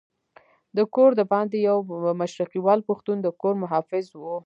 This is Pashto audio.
د کور دباندې یو مشرقیوال پښتون د کور محافظ وو.